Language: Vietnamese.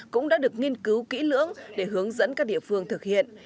cũng đã được nghiên cứu kỹ lưỡng để hướng dẫn các địa phương thực hiện